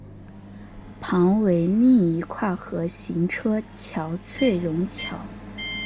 旁为另一跨河行车桥翠榕桥。